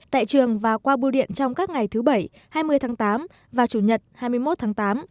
tại trường và qua bưu điện trong các ngày thứ bảy hai mươi tháng tám và chủ nhật hai mươi một tháng tám